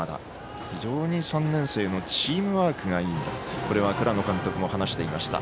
非常に３年生のチームワークがいいんだとこれは倉野監督も話していました。